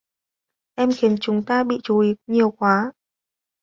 Em khiến chúng ta bị chú ý nhiều quá